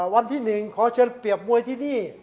วันที่๑ขอเชิญเปรียบมวยที่นี่